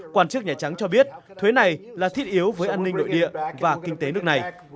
quản chức nhà trắng cho biết thuế này là thiết yếu với an ninh nội địa và kinh tế nước này